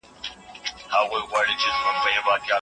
فردوسي د کومو ودونو يادونه کړې ده؟